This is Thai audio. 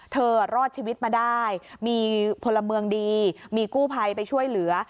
รอดชีวิตมาได้มีพลเมืองดีมีกู้ภัยไปช่วยเหลือ